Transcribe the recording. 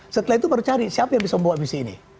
setelah itu baru cari siapa yang bisa membawa visi ini